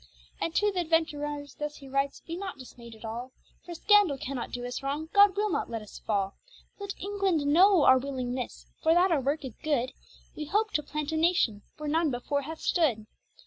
And to th' adventurers thus he writes be not dismayed at all, For scandall cannot doe us wrong, God will not let us fall. Let England knowe our willingnesse, for that our worke is goode; Wee hope to plant a nation, where none before hath stood.